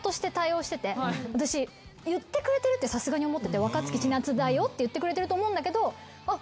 私言ってくれてるってさすがに思ってて若槻千夏だよって言ってくれてると思うんだけどあっ